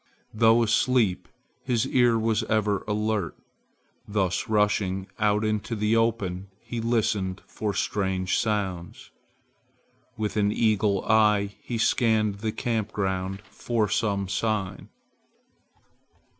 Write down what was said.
Though asleep, his ear was ever alert. Thus rushing out into the open, he listened for strange sounds. With an eagle eye he scanned the camp ground for some sign.